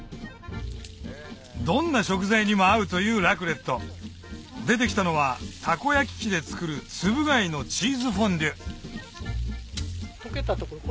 どんな食材にも合うというラクレット出てきたのはたこ焼き器で作るつぶ貝のチーズフォンデュ溶けたところ。